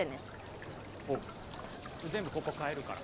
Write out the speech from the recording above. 全部ここ変えるから。